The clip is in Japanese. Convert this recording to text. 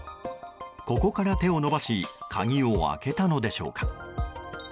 ここから手を伸ばし鍵を開けたのでしょうか。